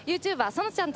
そのちゃん。